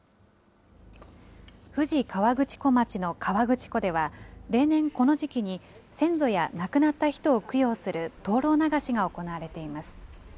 富士河口湖町の河口湖では、例年この時期に、先祖や亡くなった人を供養する灯籠流しが行われています。